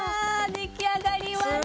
出来上がりました。